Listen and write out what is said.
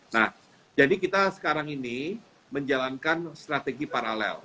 nah jadi kita sekarang ini menjalankan strategi paralel